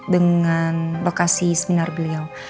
dengan lokasi seminar beliau